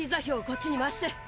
こっちに回して。